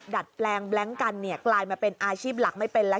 ดัดแปลงแบล็งกันเนี่ยกลายมาเป็นอาชีพหลักไม่เป็นแล้ว